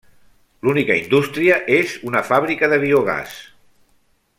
L'única indústria és una fàbrica de biogàs.